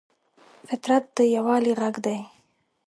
فطرت د یووالي غږ دی.